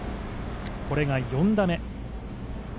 これが４打目。